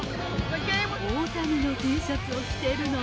大谷のＴシャツを着てるの。